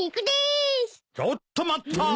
・ちょっと待ったー！